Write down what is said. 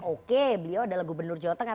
oke beliau adalah gubernur jawa tengah